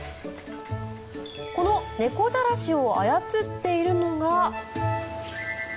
この猫じゃらしを操っているのが。